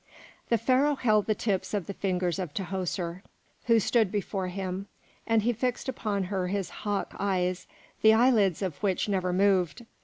The Pharaoh held the tips of the fingers of Tahoser, who stood before him, and he fixed upon her his hawk eyes, the eyelids of which never moved.